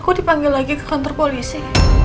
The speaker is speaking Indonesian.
aku dipanggil lagi ke kantor polisi